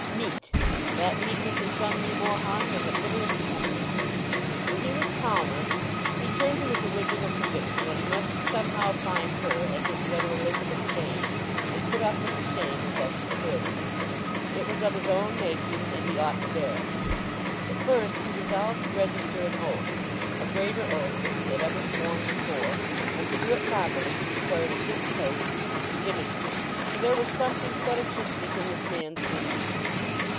Meek—that meekness has done me more harm than the bitterest temper!" When he was calmer he turned to his original conviction that he must somehow find her and his little Elizabeth Jane, and put up with the shame as best he could. It was of his own making, and he ought to bear it. But first he resolved to register an oath, a greater oath than he had ever sworn before: and to do it properly he required a fit place and imagery; for there was something fetichistic in this man's beliefs.